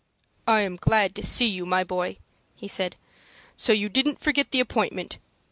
"I am glad to see you, my boy," he said. "So you didn't forget the appointment.